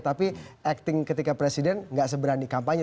tapi acting ketika presiden nggak seberani kampanye